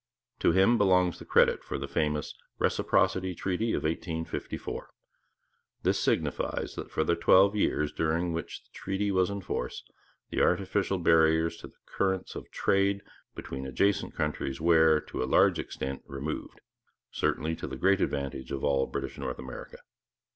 To him belongs the credit for the famous Reciprocity Treaty of 1854. This signifies that for the twelve years during which the treaty was in force the artificial barriers to the currents of trade between adjacent countries were, to a large extent, removed, certainly to the great advantage of all British North America.